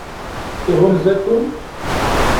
Iɣunza-ken?